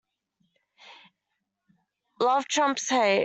Love trumps hate.